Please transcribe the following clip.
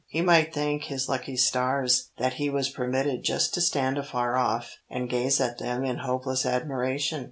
He might thank his lucky stars that he was permitted just to stand afar off and gaze at them in hopeless admiration.